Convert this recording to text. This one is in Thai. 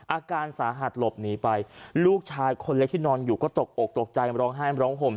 อาการสาหัสหลบหนีไปลูกชายคนเล็กที่นอนอยู่ก็ตกอกตกใจร้องไห้ร้องห่ม